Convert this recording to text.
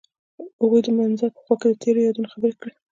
هغوی د منظر په خوا کې تیرو یادونو خبرې کړې.